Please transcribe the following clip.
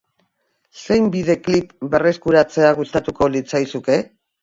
Zein bideklip berreskuratzea gustatuko litzaizuke?